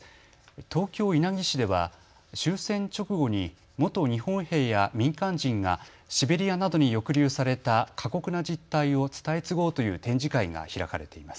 東京稲城市では終戦直後に元日本兵や民間人がシベリアなどに抑留された過酷な実態を伝え継ごうという展示会が開かれています。